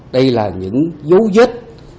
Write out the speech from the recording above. đây là những dấu viết